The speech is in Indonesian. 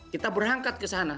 kita berangkat ke sana